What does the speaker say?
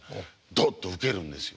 ドッとウケるんですよ。